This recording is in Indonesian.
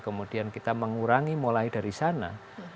kemudian kita mengurangi mulai dari sana